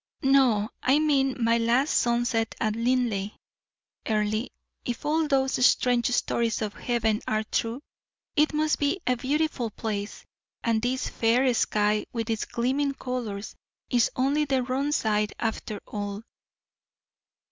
"No; I mean my last sunset at Linleigh. Earle, if all those strange stories of heaven are true, it must be a beautiful place; and this fair sky, with its gleaming colors, is only the wrong side after all."